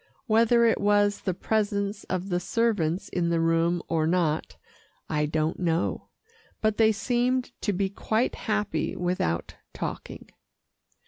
Whether it was the presence of the servants in the room or not, I don't know, but they seemed to be quite happy without talking.